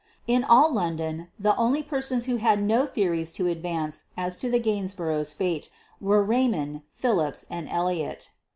In all London the only persons who had no the ories to advance as to the Gainsborough's fate were Raymond, Philips, and Elliott.